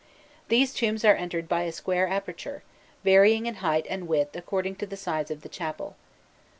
These tombs are entered by a square aperture, varying in height and width according to the size of the chapel.